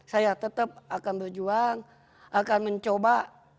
saya tetap akan berjuang akan mencoba